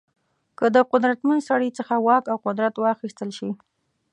که د قدرتمن سړي څخه واک او قدرت واخیستل شي.